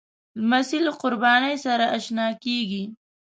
لمسی له قربانۍ سره اشنا کېږي.